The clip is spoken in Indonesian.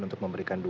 untuk memberikan duka